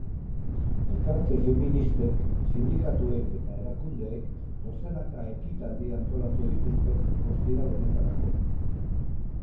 Elkarte feministek, sindikatuek eta erakundeek dozenaka ekitaldi antolatu dituzte ostiral honetarako.